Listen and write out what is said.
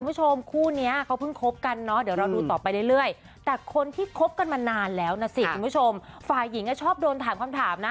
คุณผู้ชมคู่เนี้ยเขาเพิ่งคบกันเนอะเดี๋ยวเราดูต่อไปเรื่อยแต่คนที่คบกันมานานแล้วนะสิคุณผู้ชมฝ่ายหญิงก็ชอบโดนถามคำถามนะ